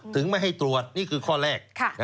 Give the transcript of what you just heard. ไม่ให้ตรวจนี่คือข้อแรก